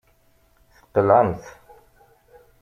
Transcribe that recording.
Tqelɛemt.